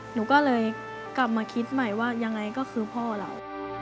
หนูก็เลยกลับมาคิดใหม่ว่ายังไงก็คือพ่อเรา